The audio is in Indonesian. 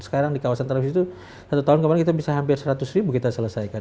sekarang di kawasan televisi itu satu tahun kemarin kita bisa hampir seratus ribu kita selesaikan